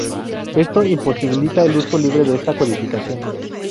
Esto imposibilita el uso libre de esta codificación.